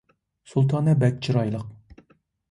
سۇلتانە بەك چىرايلىق